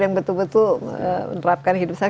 yang betul betul menerapkan hidup sehat